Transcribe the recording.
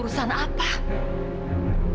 kau biasanya even bakal lam